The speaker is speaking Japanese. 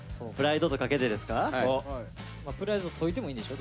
プライドと解いてもいいんでしょ？